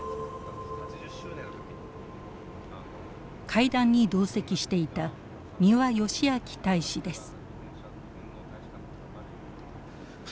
会談に同席していた三輪芳明大使です。